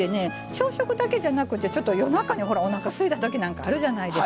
朝食だけじゃなくてちょっと夜中におなかすいた時なんかあるじゃないですか。